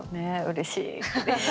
うれしい。